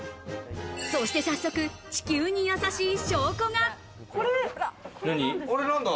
そして早速、地球にやさしい証拠が。